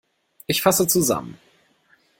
Ich fasse zusammen.